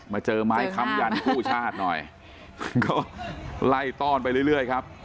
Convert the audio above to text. เจอไม้คำยันคู่ชาติหน่อยก็ไล่ต้อนไปเรื่อยครับ